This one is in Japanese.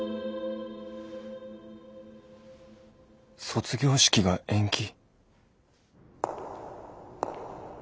卒業式が延期。